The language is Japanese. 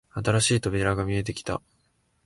新しい扉が見えてきた